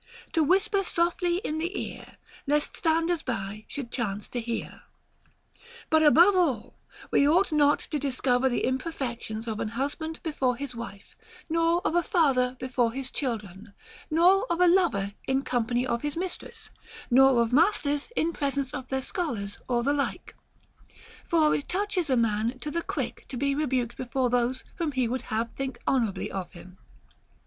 149 To whisper softly in the ear, Lest standers by should chance to hear.* But above all, we ought not to discover the imperfections of an husband before his wife, nor of a father before his children, nor of a lover in company of his mistress, nor of masters in presence of their scholars, or the like ; for it touches a man to the quick to be rebuked before those whom he would have think honorably of him.